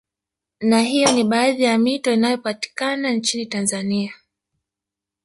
Na hiyo ni baadhi ya mito inayopatikana nchini Tanzania